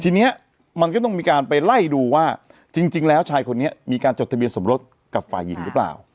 ทีนี้มันก็ต้องมีการไปไล่ดูว่าจริงแล้วชายคนนี้มีการจดทะเบียนสมรสกับฝ่ายหญิงหรือเปล่า